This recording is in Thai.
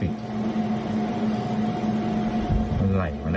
ไหลมันได้ยังไหลนะ